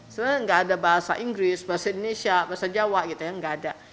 sebenarnya nggak ada bahasa inggris bahasa indonesia bahasa jawa gitu ya nggak ada